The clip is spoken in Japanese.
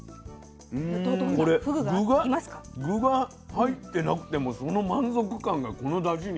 これ具が入ってなくてもその満足感がこのだしにある。